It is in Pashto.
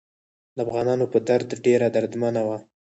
د افغانانو په درد ډیره دردمنه وه.